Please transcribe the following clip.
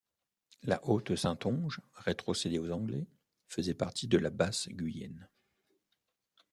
La Haute Saintonge, rétrocédée aux Anglais, faisait partie de la Basse Guyenne.